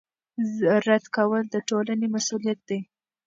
رد کول د ټولنې مسوولیت دی